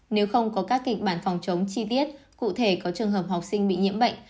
nếu không có các kịch bản phòng chống chi tiết cụ thể có trường hợp học sinh bị nhiễm bệnh